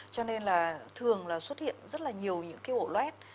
cho nên là thường là xuất hiện rất là nhiều những cái ổ lét